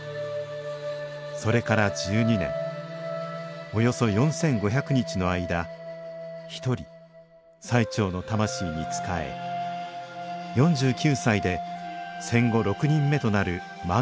それから１２年およそ４５００日の間一人最澄の魂に仕え４９歳で戦後６人目となる満行者となりました。